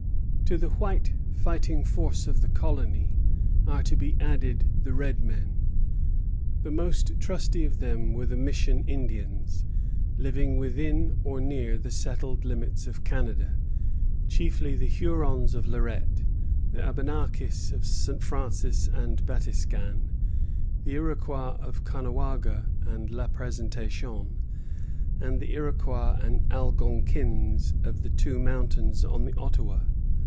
To the white fighting force of the colony are to be added the red men. The most trusty of them were the Mission Indians, living within or near the settled limits of Canada, chiefly the Hurons of Lorette, the Abenakis of St. Francis and Batiscan, the Iroquois of Caughnawaga and La Présentation, and the Iroquois and Algonkins at the Two Mountains on the Ottawa.